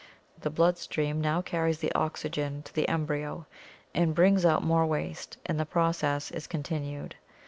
The blood stream now carries the oxygen to the embryo and brings out more waste and the process is continued.